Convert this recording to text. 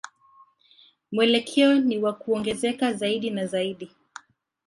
Mwelekeo ni wa kuongezeka zaidi na zaidi.